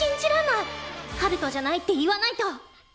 陽翔じゃないって言わないと！